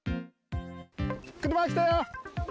車来たよ！